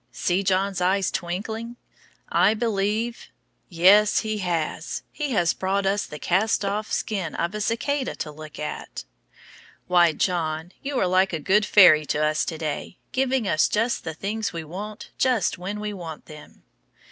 See John's eyes twinkling! I believe yes, he has! He has brought us the cast off skin of a cicada to look at. Why, John, you are like a good fairy to us to day, giving us just the things we want just when we want them.